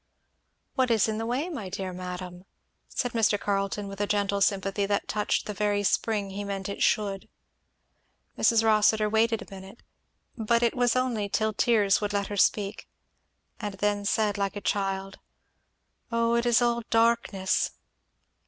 "What is in the way, my dear madam?" said Mr. Carleton, with a gentle sympathy that touched the very spring he meant it should. Mrs. Rossitur waited a minute, but it was only till tears would let her speak, and then said like a child, "Oh, it is all darkness!